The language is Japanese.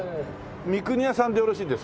美國屋さんでよろしいんですか？